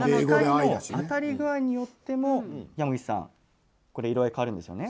明かり具合によっても色合いが変わるんですよね。